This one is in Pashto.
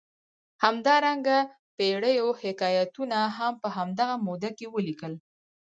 همدارنګه پېړیو حکایتونه هم په همدغه موده کې ولیکل.